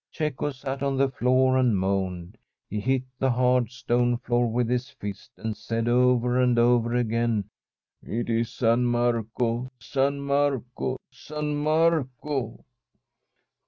Cecco sat on the floor and moaned. He hit the hard stone floor with his fist, and said over and over again :* It is San Marco, San Marco, San Marco